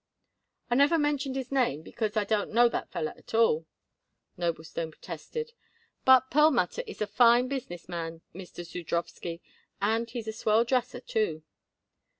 "I never mentioned his name because I don't know that feller at all," Noblestone protested. "But Perlmutter is a fine business man, Mr. Zudrowsky, and he's a swell dresser, too."